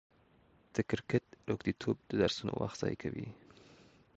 د کرکټ روږديتوب د درسونو وخت ضايع کوي.